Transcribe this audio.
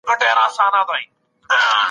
سلطنت یوازي د خدای لپاره دی.